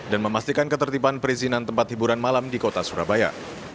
dan memastikan ketertiban perizinan tempat hiburan malam di kota surabaya